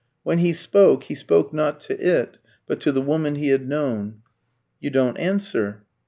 When he spoke, he spoke not to it, but to the woman he had known. "You don't answer."